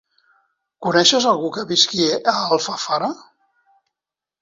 Coneixes algú que visqui a Alfafara?